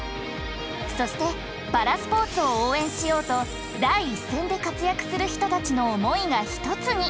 そしてパラスポーツを応援しようと第一線で活躍する人たちの思いが一つに。